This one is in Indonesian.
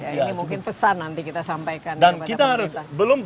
ini mungkin pesan nanti kita sampaikan kepada pemerintah